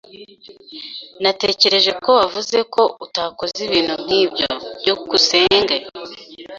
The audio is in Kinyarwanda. Natekereje ko wavuze ko utakoze ibintu nkibyo. byukusenge